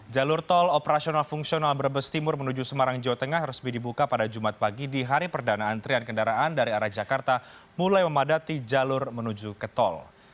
jalur tol operasional fungsional brebes timur menuju semarang jawa tengah resmi dibuka pada jumat pagi di hari perdana antrian kendaraan dari arah jakarta mulai memadati jalur menuju ke tol